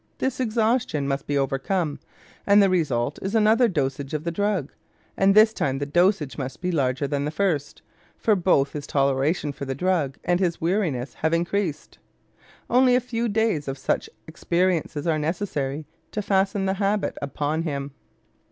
This exhaustion must be overcome, and the result is another dosage of the drug; and this time the dosage must be larger than the first, for both his toleration for the drug and his weariness have increased. Only a few days of such experiences are necessary to fasten the habit upon him.